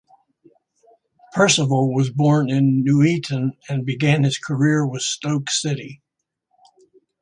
Percival was born in Nuneaton and began his career with Stoke City.